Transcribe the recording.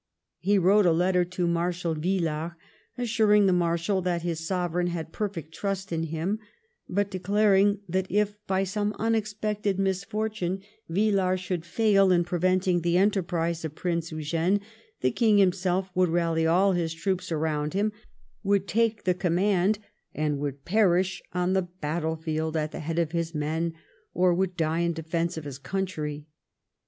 He wrote a letter to Marshal ViUars assuring the Marshal that his Sovereign had perfect trust in him, but declaring that if by some unexpected misfortune Villars should fail in prevent ing the enterprise of Prince Eugene, the King him self would rally all his troops around him, would take the command and would perish on the battle field at the head of his men, or would die in defence of his country.